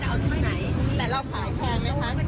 แต่เราขายแพงไหมคะ